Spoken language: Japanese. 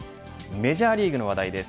メジャーリーグの話題です。